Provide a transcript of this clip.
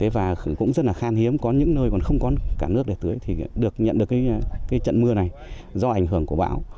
và cũng rất là khan hiếm có những nơi còn không có cả nước để tưới thì được nhận được trận mưa này do ảnh hưởng của bão